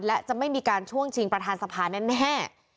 และจะไม่มีการช่วงชิงประธานสภาแน่